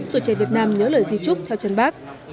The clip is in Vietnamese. tuổi trẻ việt nam nhớ lời di trúc theo chân bác